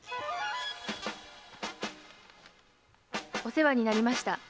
「おせわになりました。